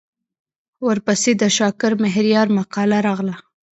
ورپسې د شاکر مهریار مقاله راغله.